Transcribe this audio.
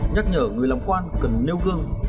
nhắc nhở người làm quan cần nêu gương